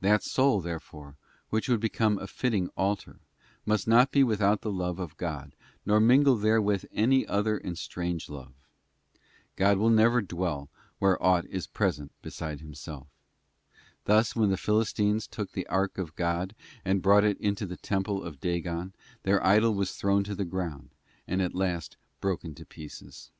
That soul, therefore, which would become a fitting altar, must not be without the love of God, nor mingle therewith any other and strange love. God will never dwell there where aught is present beside Himself. Thus, when the Philistines took the ark of God and brought it into the temple of Dagon, their idol was thrown to the ground, and at last broken to pieces.